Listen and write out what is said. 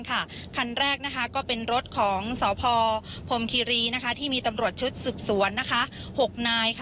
คันแรกก็เป็นรถของสพพรมคิรีที่มีตำรวจชุดสืบสวน๖นาย